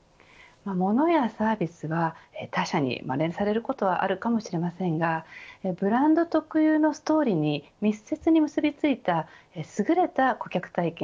モノやサービスは他社にまねされることはあるかもしれませんがブランド特有のストーリーに密接に結び付いたすぐれた顧客体験